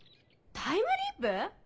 タイムリープ？